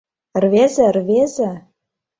— Рвезе, рвезе!